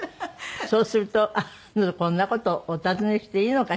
そうするとこんな事おたずねしていいのかしら？